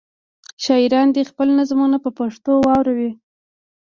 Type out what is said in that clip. شاعران دې خپلې نظمونه په پښتو واوروي.